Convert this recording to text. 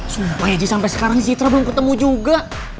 sumpah ya ji sampe sekarang citra belum ketemu juga